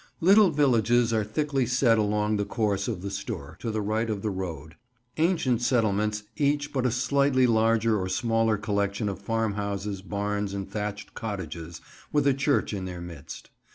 Little villages are thickly set along the course of the Stour, to the right of the road; ancient settlements, each but a slightly larger or smaller collection of farmhouses, barns and thatched cottages, with a church in their midst.